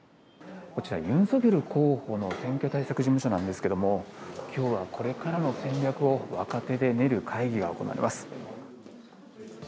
こちら、ユン・ソギョル候補の選挙対策事務所なんですけれども、きょうはこれからの戦略を若手で練る会議が行われます。